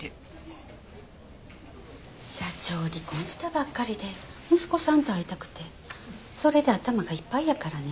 社長離婚したばっかりで息子さんと会いたくてそれで頭がいっぱいやからね。